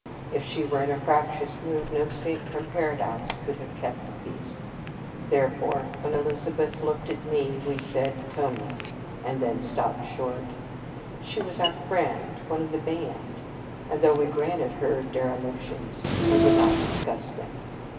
If she were in a fractious mood, no saint from Paradise could have kept the peace. Therefore, when Elizabeth 94 In Retreat looked at me, we said "Tony!" and then stopped short. She was our friend, one of the band, and though we granted her derelictions, we would not discuss them.